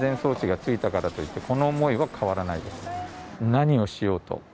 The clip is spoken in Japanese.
何をしようと。